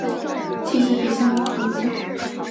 其妻笙田弘子。